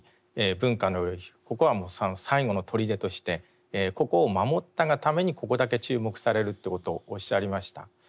ここはもう最後の砦としてここを守ったがためにここだけ注目されるということをおっしゃりました。